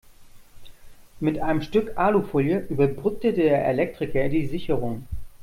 Mit einem Stück Alufolie überbrückte der Elektriker die Sicherung.